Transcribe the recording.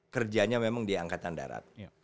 kerjanya memang di angkatan darat